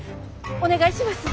お願いします！